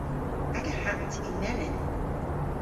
Aga hatt yw melyn.